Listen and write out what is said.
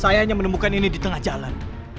saya hanya menemukan ini di tengah jalan